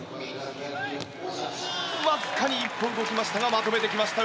わずかに１歩動きましたがまとめてきました内村。